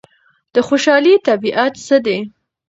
د خوشحالۍ طبیعت څه دی؟